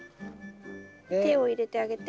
手を入れてげあて。